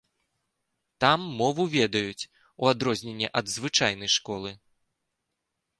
Там мову ведаюць, у адрозненне ад звычайнай школы.